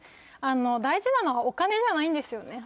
大事なのは、お金じゃないんですよね。